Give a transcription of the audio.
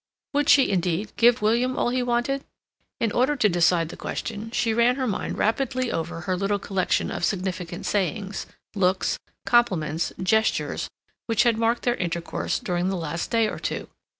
Would she, indeed, give William all he wanted? In order to decide the question, she ran her mind rapidly over her little collection of significant sayings, looks, compliments, gestures, which had marked their intercourse during the last day or two.